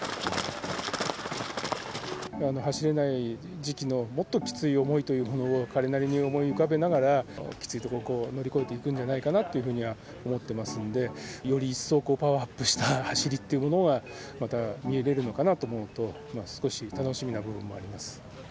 走れない時期のもっときつい思いというものを、彼なりに思い浮かべながら、きついところを乗り越えていくんじゃないかなというふうには思ってますんで、より一層パワーアップした走りっていうものがまた見れるのかなと思うと、少し楽しみな部分もあります。